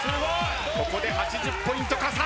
ここで８０ポイント加算。